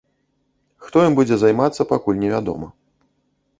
Хто ім будзе займацца пакуль невядома.